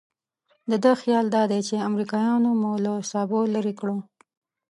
د ده خیال دادی چې امریکایانو مو له سابو لرې کړو.